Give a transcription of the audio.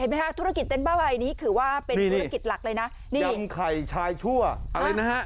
เห็นมั้ยฮะธุรกิจเต้นพระใบนี้คือว่าเป็นธุรกิจหลักเลยนะ